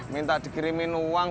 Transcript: minta dikirimin uang